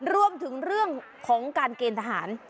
รวมถึงเรื่องของการเกณฑ์ทหาร